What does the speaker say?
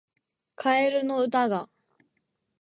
カエルの歌が